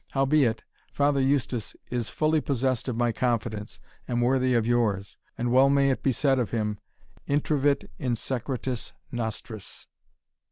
Howbeit, Father Eustace is fully possessed of my confidence, and worthy of yours, and well may it be said of him, Intravit in secretis nostris."